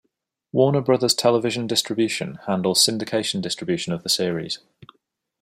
Warner Brothers Television Distribution handles syndication distribution of the series.